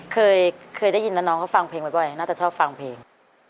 เคยเคยได้ยินนะน้องเขาฟังเพลงบ่อยน่าจะชอบฟังเพลง